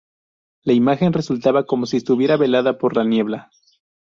La imagen resultaba como si estuviera velada por la niebla.